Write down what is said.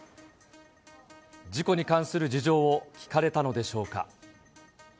事故に関する事情を聴かれたのでしょうか。